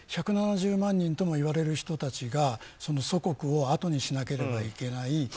１７０万人ともいわれる人たちが祖国をあとにしなければいけない。